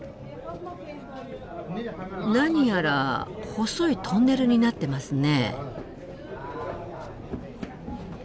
何やら細いトンネルになってますね。